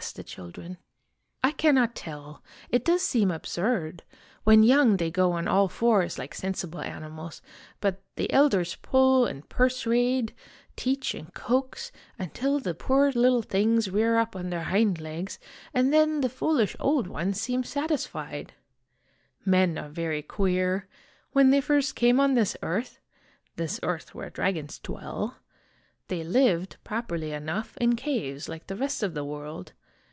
asked the children. " I cannot tell. It does seem absurd. When young they go on all fours like sensible animals, but the elders pull and persuade, teach and coax, until the poor little things rear up on their hind legs, and then the foolish old ones seem satisfied. Men are very queer. When they first came on this earth, this earth where dragons dwell, they lived, properly enough, in caves like the rest of the world.